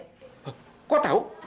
hah kok tau